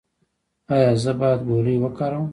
ایا زه باید ګولۍ وکاروم؟